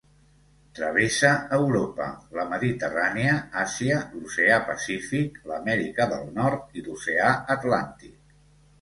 Travessa Europa, la Mediterrània, Àsia, l'oceà Pacífic, l'Amèrica del Nord i l'oceà Atlàntic.